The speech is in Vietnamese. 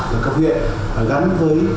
của các huyện gắn với